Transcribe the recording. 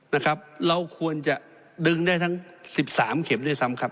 นะครับเราควรจะดึงได้ทั้งสิบสามเข็มด้วยซ้ำครับ